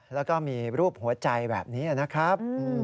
แล้วก็มีรูปหัวใจแบบนี้นะครับ